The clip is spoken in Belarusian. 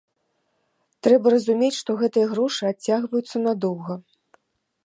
Трэба разумець, што гэтыя грошы адцягваюцца надоўга.